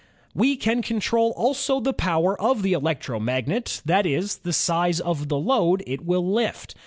We can control also the power of the electromagnet, that is, the size of the load it will lift.